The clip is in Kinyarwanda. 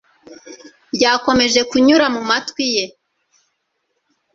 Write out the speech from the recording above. ryakomeje kunyura mu matwi ye